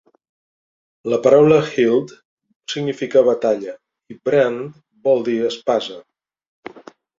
La paraula "hild" significa "batalla" i "brand" vol dir "espasa".